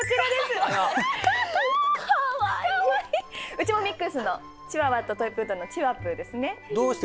うちもミックスのチワワとトイプードルのチワプーですね。